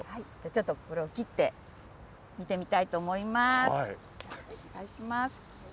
ちょっとこれを切って、見てみたいと思います。